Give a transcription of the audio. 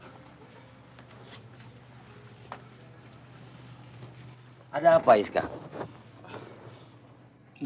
kamu harus singap mom